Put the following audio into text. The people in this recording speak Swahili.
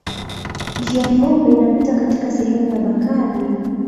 Njia Nyeupe inapita katika sehemu ya Bakari.